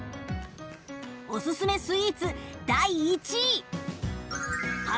おすすめスイーツ第１位。